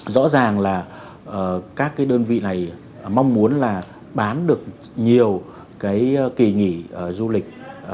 rõ ràng là các cái đơn vị này mong muốn là bán được nhiều cái kỳ nghỉ du lịch